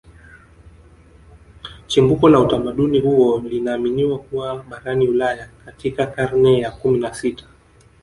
Chimbuko la utamaduni huo linaaminiwa kuwa barani Ulaya katika karne ya kumi na sita